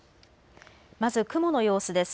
まず雲の様子です。